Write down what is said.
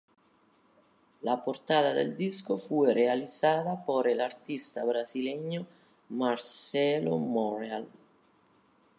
La portada del disco fue realizada por el artista brasileño Marcelo Monreal.